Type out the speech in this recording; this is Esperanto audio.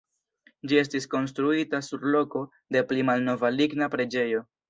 Ĝi estis konstruita sur loko de pli malnova ligna preĝejo.